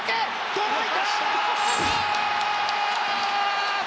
届いた！